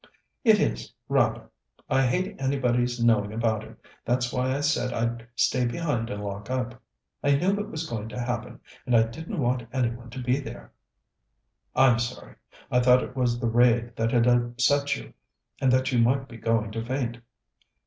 "It is, rather. I hate anybody's knowing about it; that's why I said I'd stay behind and lock up. I knew it was going to happen, and I didn't want any one to be there." "I'm sorry. I thought it was the raid that had upset you, and that you might be going to faint."